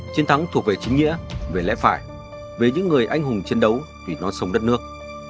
chiến thắng thuộc về chính nghĩa về lẽ phải về những người anh hùng chiến đấu vì non sông đất nước